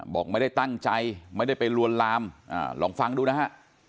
บอกไม่ได้ตั้งใจไม่ได้ไปลวนลามลองฟังดูนะฮะ